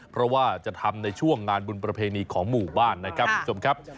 เพราะว่าจะทำในช่วงงานบุญประเพณีของหมู่บ้านนะครับคุณผู้ชมครับ